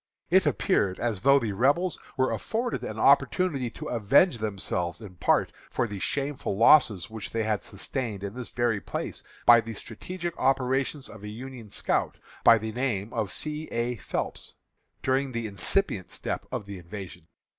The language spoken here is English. It appeared as though the Rebels were afforded an opportunity to avenge themselves in part for the shameful losses which they had sustained in this very place by the strategic operations of a Union scout, by the name of C. A. Phelps, during the incipient step of the invasion.